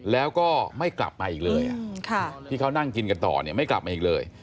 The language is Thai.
แล้วก็ไม่กลับมาอีกเลยที่เขานั่งกินกันต่อเนี่ยไม่กลับมาอีกเลย